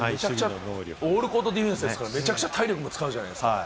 オールコートディフェンスですから、めちゃくちゃ体力も使うじゃないですか。